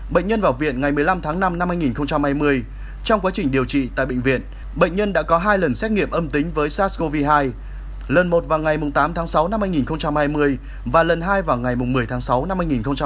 bệnh nhân vào viện ngày một mươi năm tháng năm năm hai nghìn hai mươi trong quá trình điều trị tại bệnh viện bệnh nhân đã có hai lần xét nghiệm âm tính với sars cov hai lần một vào ngày tám tháng sáu năm hai nghìn hai mươi và lần hai vào ngày một mươi tháng sáu năm hai nghìn hai mươi